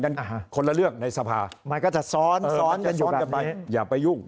อ่าฮะคนละเรื่องในสภาหมายก็จะซ้อนเออมันจะอยู่แบบนี้อย่าไปยุ่ง